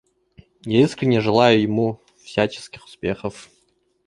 Я искренне желаю ему всяческих успехов.